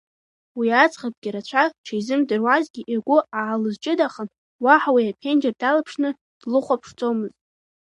Уи аӡӷабгьы рацәак дшизымдыруазгьы, игәы аалызҷыдахан, уаҳа уи аԥенџьыр далԥшны длыхәаԥшӡомызт.